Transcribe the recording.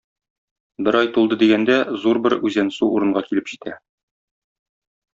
Бер ай тулды дигәндә, зур бер үзәнсу урынга килеп җитә.